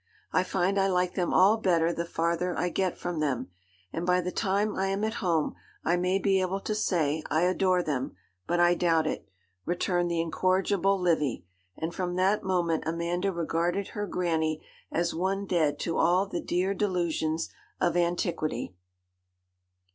I find I like them all better the farther I get from them, and by the time I am at home I may be able to say "I adore them," but I doubt it,' returned the incorrigible Livy, and from that moment Amanda regarded her Granny as one dead to all the dear delusions of antiquity.